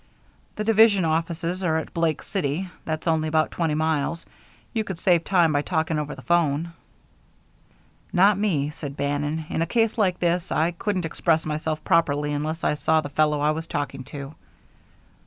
"The division offices are at Blake City. That's only about twenty miles. You could save time by talking over the 'phone." "Not me," said Bannon. "In a case like this I couldn't express myself properly unless I saw the fellow I was talking to."